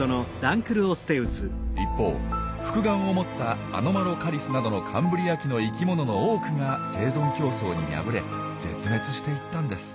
一方複眼を持ったアノマロカリスなどのカンブリア紀の生きものの多くが生存競争に敗れ絶滅していったんです。